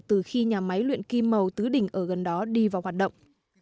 từ khi nhà máy luyện kim màu tứ đỉnh ở gần đó đi vào hoạt động